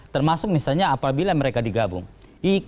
termasuk misalnya apabila mereka digabung